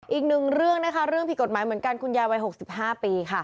อีกนึงเรื่องผิดกฏหมายเบิ่งก็คุณยายวัย๖๕ปี